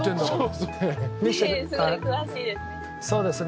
いやいやすごい詳しいですね。